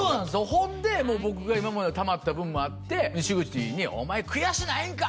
ほんで僕が今までたまった分もあって西口に「お前悔しないんか！？」